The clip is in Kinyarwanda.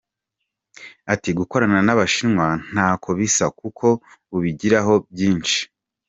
Ati "Gukorana n’abashinwa ntako bisa, kuko ubigiraho byinshi.